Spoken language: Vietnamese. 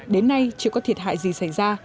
đến nay chưa có thiệt hại gì xảy ra